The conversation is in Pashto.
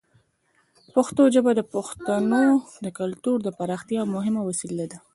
پښتو ژبه د پښتنو د کلتور د پراختیا یوه مهمه وسیله ده.